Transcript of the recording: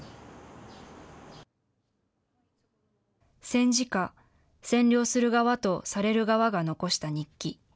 戦時下、占領する側とされる側が残した日記。